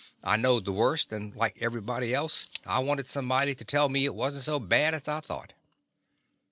I knowed the worst, and, like everybody else, I wanted some body to tell me it was n't so bad as I thought.